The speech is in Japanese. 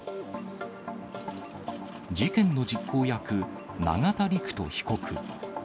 事件の実行役、永田陸人被告。